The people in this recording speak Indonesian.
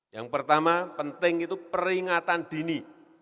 yang pertama penting itu peringatan dini